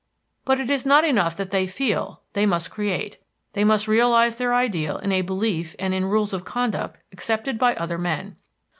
But it is not enough that they feel: they must create, they must realize their ideal in a belief and in rules of conduct accepted by other men.